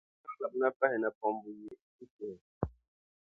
malaika maa daa ti lan labina pahi napɔŋ buyi nti shih’ o.